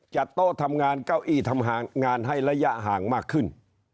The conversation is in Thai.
โต๊ะทำงานเก้าอี้ทำงานให้ระยะห่างมากขึ้น